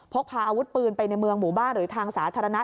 พกพาอาวุธปืนไปในเมืองหมู่บ้านหรือทางสาธารณะ